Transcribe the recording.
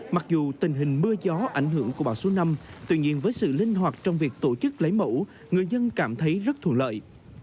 mặc dù tình hình mưa gió ảnh hưởng của bão số năm tuy nhiên với sự linh hoạt trong việc tổ chức lấy mẫu người dân cảm thấy rất thuận lợi